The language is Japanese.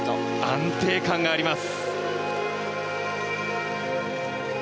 安定感があります。